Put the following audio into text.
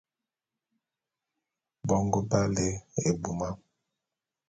Bongo b'á lé ebuma.